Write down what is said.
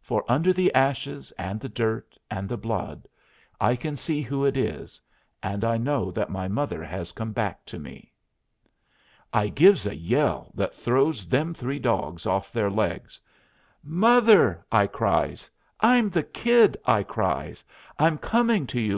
For, under the ashes and the dirt and the blood, I can see who it is, and I know that my mother has come back to me. I gives a yell that throws them three dogs off their legs. "Mother!" I cries. "I'm the Kid," I cries. "I'm coming to you.